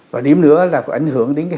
và điểm nữa là có ảnh hưởng đến cái